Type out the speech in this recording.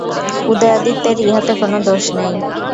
উদয়াদিত্যের ইহাতে কোনো দোষ নাই।